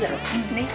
ねっ。